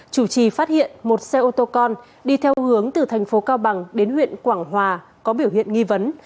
chủ trì phát hiện một xe ô tô con đi theo hướng từ thành phố cao bằng đến huyện quảng hòa có biểu hiện nghi vấn